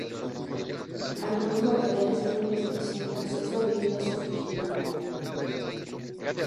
Algunos materiales tienen restricción de acceso debido a su fragilidad.